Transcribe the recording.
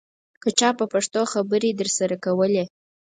که چا په پښتو خبرې درسره کولې.